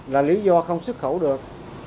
là lý do không xuất khẩu được